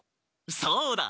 そうだ！